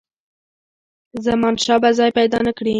زمانشاه به ځای پیدا نه کړي.